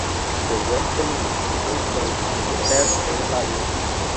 The Western race came down to the Bears and Lions.